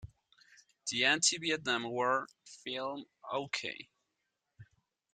The anti-Vietnam War film, o.k.